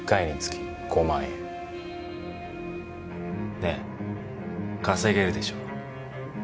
ねっ稼げるでしょ？